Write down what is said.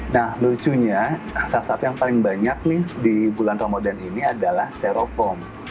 nah lucunya salah satu yang paling banyak nih di bulan ramadan ini adalah sterofoam